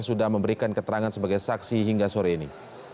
sudah memberikan keterangan sebagai saksi hingga sore ini